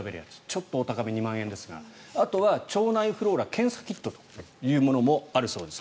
ちょっとお高め、２万円ですがあとは腸内フローラ検査キットというものもあるそうです。